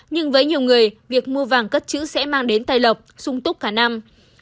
nhưng với nhiều người việc mua vàng cất chữ sẽ mang đến tay lọc sung túc cả năm